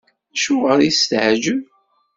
Acuɣer i s-teɛǧeb?